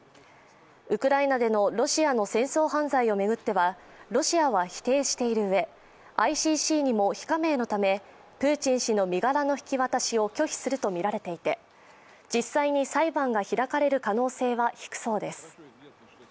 ウクライナでのロシアの戦争犯罪を巡ってはロシアは否定しているうえＩＣＣにも非加盟のためプーチン氏の身柄の引き渡しを拒否するとみられていて実際に裁判が開かれる可能性は低そうです。